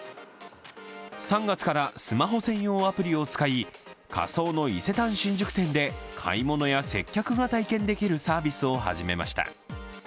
３月からスマホ専用アプリを使い仮想の伊勢丹新宿店で買い物や接客が体験できるサービスを始めました。